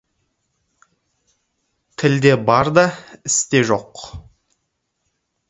Тілде бар да, істе жоқ.